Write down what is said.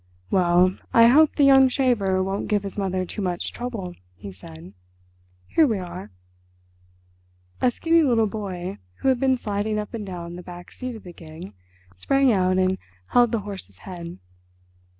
"Well, I hope the young shaver won't give his mother too much trouble," he said. "Here we are." A skinny little boy, who had been sliding up and down the back seat of the gig, sprang out and held the horse's head.